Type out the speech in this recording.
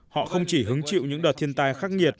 họ không chỉ hứng chịu những đợt thiên tai khắc nghiệt